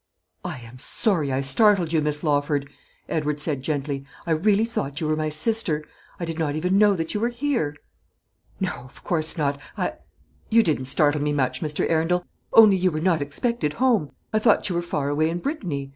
"I am sorry I startled you, Miss Lawford," Edward said, gently; "I really thought you were my sister. I did not even know that you were here." "No, of course not. I you didn't startle me much, Mr. Arundel; only you were not expected home. I thought you were far away in Brittany.